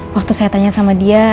waktu saya tanya sama dia